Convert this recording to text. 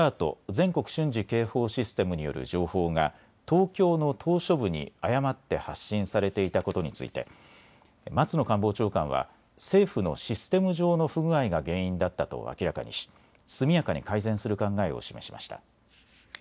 ・全国瞬時警報システムによる情報が東京の島しょ部に誤って発信されていたことについて松野官房長官は政府のシステム上の不具合が原因だったと明らかにし速やかに改善する考えを示しました。